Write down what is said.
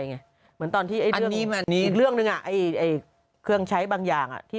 อย่างที่เรื่องนึงเครื่องใช้บางอย่างนะ